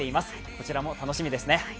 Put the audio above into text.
こちらも楽しみですね。